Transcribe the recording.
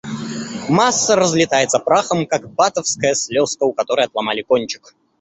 Масса разлетается прахом, как батавская слезка, у которой отломали кончик.